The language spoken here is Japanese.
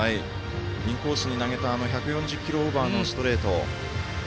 インコースに投げた１４０キロオーバーのストレート。